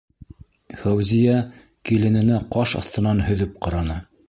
Фәүзиә килененә ҡаш аҫтынан һөҙөп ҡараны: